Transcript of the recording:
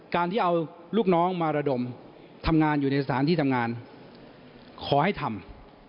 การที่เอาลูกน้องมาระดมทำงานอยู่ในสถานที่ทำงานขอให้ทำ